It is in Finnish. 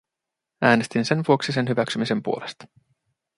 Äänestin sen vuoksi sen hyväksymisen puolesta.